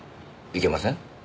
いけません？